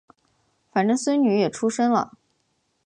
反正孙女也出生了